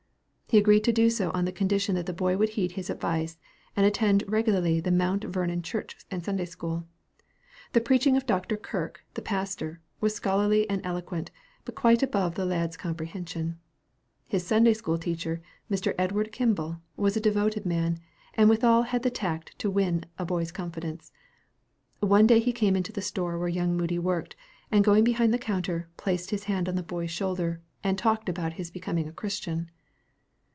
He agreed to do so on the conditions that the boy would heed his advice, and attend regularly the Mount Vernon Church and Sunday school. The preaching of Dr. Kirk, the pastor, was scholarly and eloquent, but quite above the lad's comprehension. His Sunday school teacher, Mr. Edward Kimball, was a devoted man, and withal had the tact to win a boy's confidence. One day he came into the store where young Moody worked, and going behind the counter, placed his hand on the boy's shoulder and talked about his becoming a Christian.